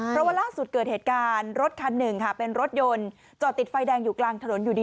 เพราะว่าล่าสุดเกิดเหตุการณ์รถคันหนึ่งค่ะเป็นรถยนต์จอดติดไฟแดงอยู่กลางถนนอยู่ดี